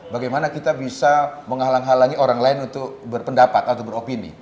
bagaimana kita bisa menghalang halangi orang lain untuk berpendapat atau beropini